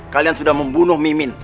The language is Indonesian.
kalian sudah membunuh mimin